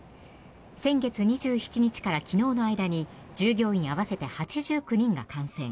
先月２７日から昨日の間に従業員合わせて８９人が感染。